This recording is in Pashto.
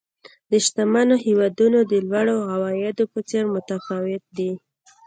د شتمنو هېوادونو د لوړو عوایدو په څېر متفاوت دي.